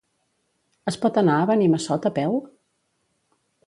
Es pot anar a Benimassot a peu?